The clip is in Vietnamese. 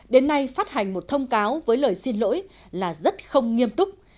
đến nay phát hành một thông cáo với lời xin lỗi là rất không nghiêm túc